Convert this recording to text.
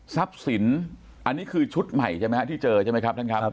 ทรัพย์สินอันนี้คือชุดใหม่ที่เจอใช่ไหมครับท่านครับ